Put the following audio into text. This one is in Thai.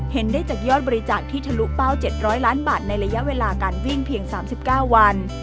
เห็นได้จากยอดบริจาคที่ทะลุเป้า๗๐๐ล้านบาทในระยะเวลาการวิ่งเพียง๓๙วัน